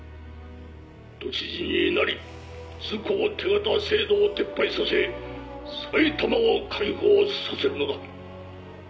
都知事になり通行手形制度を撤廃させ埼玉を解放させるのだ。